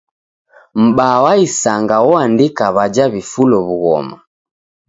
M'baa wa isanga oandika w'aja w'ifulo w'ughoma.